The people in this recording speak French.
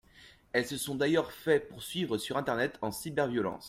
Elles se sont d’ailleurs fait poursuivre sur internet en cyberviolence.